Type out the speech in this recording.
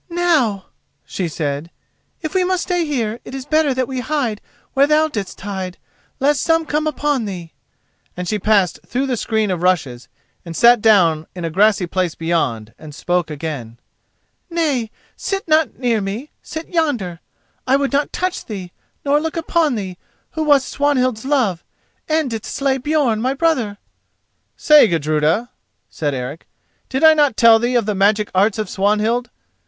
"Now," she said, "if we must stay here, it is better that we hide where thou didst hide, lest some come upon thee." And she passed through the screen of rushes and sat down in a grassy place beyond, and spoke again. "Nay, sit not near me; sit yonder. I would not touch thee, nor look upon thee, who wast Swanhild's love, and didst slay Björn my brother." "Say, Gudruda," said Eric, "did I not tell thee of the magic arts of Swanhild?